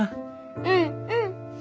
うんうん。